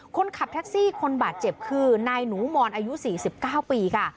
คนขับแท็กซี่คนบาดเจ็บคือนายหนูมอนอายุ๔๙ปีค่ะ